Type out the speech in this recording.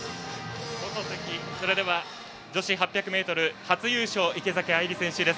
放送席、女子８００ｍ初優勝、池崎愛里選手です。